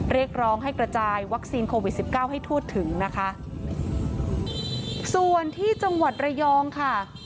เรียกร้องให้กระจายวัคซีนโควิดสิบเก้าให้ทั่วถึงนะคะส่วนที่จังหวัดระยองค่ะ